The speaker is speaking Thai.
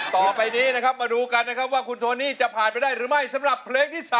ต่อไปนี้นะครับมาดูกันนะครับว่าคุณโทนี่จะผ่านไปได้หรือไม่สำหรับเพลงที่๓